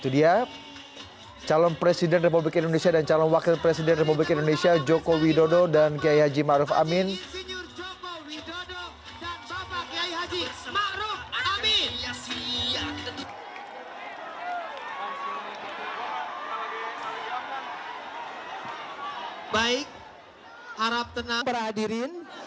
di gedung kpu sendiri yang ada di kanan anda nampaknya setengah bersiap siap untuk menantikan kedatangan pasangan prabowo subianto dengan sandiaga salahuddin uno